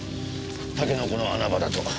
タケノコの穴場だと。